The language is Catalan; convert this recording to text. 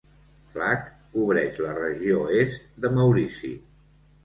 Flacq cobreix la regió est de Maurici.